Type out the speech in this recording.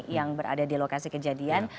yang berada di lokasi kejadian